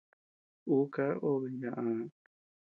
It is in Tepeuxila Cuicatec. Ú ká obe yaʼaa.